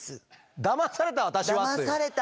「だまされた私は」っていう。